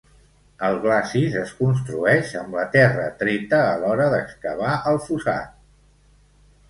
El glacis es construeix amb la terra treta a l'hora d'excavar el fossat.